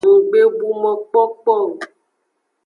Nggbebu mokpokpo o.